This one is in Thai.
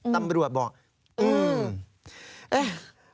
ตำรวจบอกอืม